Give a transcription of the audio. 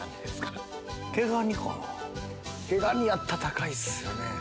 毛ガニやったら高いっすよね。